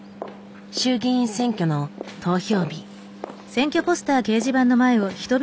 衆議院選挙の投票日。